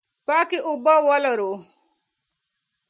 پاکې اوبه به ولرو.